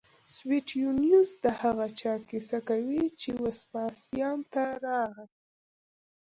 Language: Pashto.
سویټونیوس د هغه چا کیسه کوي چې وسپاسیان ته راغی